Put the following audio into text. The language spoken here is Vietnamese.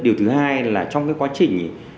điều thứ hai là trong quá trình